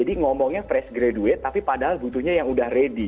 jadi ngomongnya fresh graduate tapi padahal butuhnya yang sudah ready